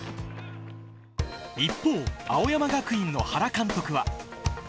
一方、青山学院の原監督は。